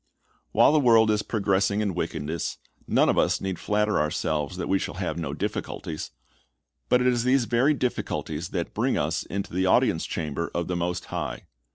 While the world is progressing in wickedness, none of us need flatter ourselves that we shall have no difficulties. But it is these very difficulties that bring us into the audience chamber of the Most High.